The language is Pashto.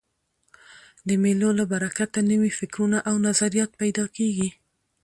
د مېلو له برکته نوي فکرونه او نظریات پیدا کېږي.